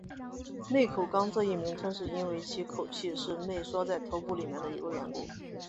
内口纲这一名称是因为其口器是内缩在头部里面的缘故。